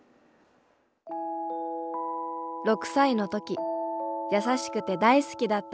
６歳の時優しくて大好きだった